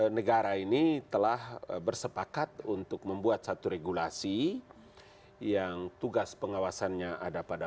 negara ini telah bersepakat untuk membuat satu regulasi yang tugas pengawasannya ada pada